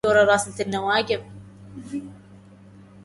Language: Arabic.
ولكنْ كنت – لا أخجل – رائع